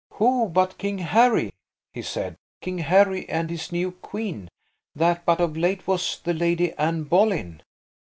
"Who but King Harry?" he said. "King Harry and his new Queen, that but of late was the Lady Anna Boleyn."